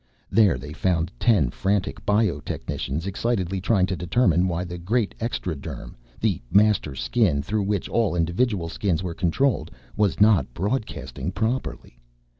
There they found ten frantic bio technicians excitedly trying to determine why the great extraderm the Master Skin through which all individual Skins were controlled was not broadcasting properly.